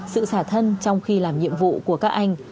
sự xả thân trong khi làm nhiệm vụ của các anh